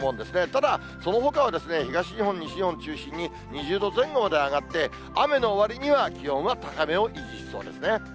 ただ、そのほかは東日本、西日本中心に２０度前後まで上がって、雨のわりには、気温は高めを維持しそうですね。